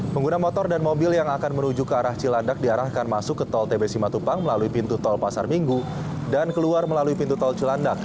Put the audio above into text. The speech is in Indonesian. pengguna motor dan mobil yang akan menuju ke arah cilandak diarahkan masuk ke tol tbc matupang melalui pintu tol pasar minggu dan keluar melalui pintu tol cilandak